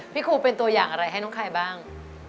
ครูเป็นตัวอย่างอะไรให้น้องใครบ้าง